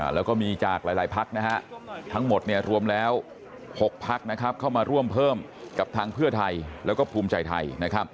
แล้วก็มีจากหลายพักทั้งหมดรวมแล้ว๖พักเข้ามาร่วมเพิ่มกับทางเพื่อไทยแล้วก็ภูมิใจไทย